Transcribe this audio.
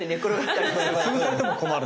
潰されても困る。